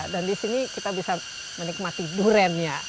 dan di sini kita bisa menikmati duriannya